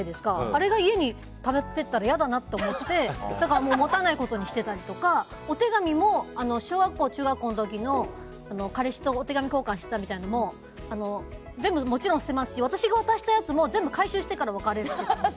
あれが家にたまっていったら嫌だなって思って持たないことにしてたりとかお手紙も小学校、中学校の時の彼氏とお手紙交換していたものとかも全部もちろん捨てますし私が渡したやつも全部、回収してから別れる。